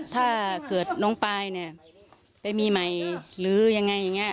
ถ้าเกิดน้องปายเนี่ยไปมีใหม่หรือยังไงอย่างนี้